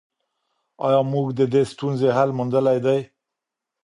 آيا موږ د دې ستونزې حل موندلی دی؟